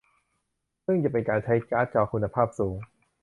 ซึ่งจะเป็นการใช้การ์ดจอคุณภาพสูง